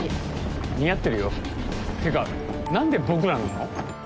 似合ってるよってか何で僕らなの？